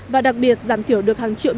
và đặc biệt giảm thiểu được hàng triệu m ba